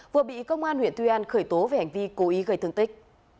vừa bị công an huyện tuy an khởi tố về hành vi cố ý gây thương tích